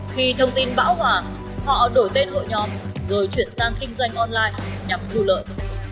khi thông tin bão hòa họ đổi tên hội nhóm rồi chuyển sang kinh doanh online nhằm thu lợi